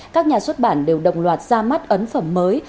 các nhà xuất bản đều đồng loạt ra mắt ấn phẩm mới